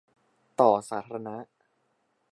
ต่อสาธารณะ